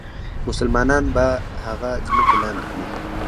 مسلمانان به هغه ځمکې لاندې کړي.